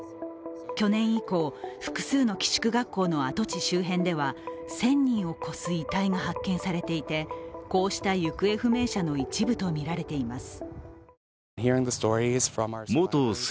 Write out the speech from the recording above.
去年以降、複数の寄宿学校の跡地周辺では１０００人を超す遺体が発見されていてこうした行方不明者の一部とみられています。